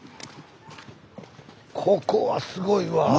ここはすごいわ！